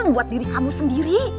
buat diri kamu sendiri